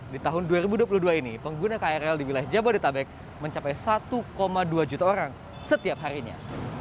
di tahun dua ribu dua puluh dua ini pengguna krl di wilayah jabodetabek mencapai satu dua juta orang setiap harinya